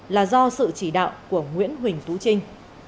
là do sự chỉ đạo của nguyễn huỳnh tú trinh